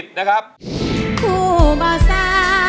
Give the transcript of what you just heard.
ทุกคนนี้ก็ส่งเสียงเชียร์ทางบ้านก็เชียร์